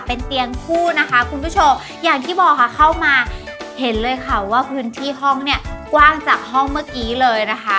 เป็นเตียงคู่นะคะคุณผู้ชมอย่างที่บอกค่ะเข้ามาเห็นเลยค่ะว่าพื้นที่ห้องเนี่ยกว้างจากห้องเมื่อกี้เลยนะคะ